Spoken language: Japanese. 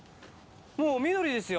もう緑ですよ。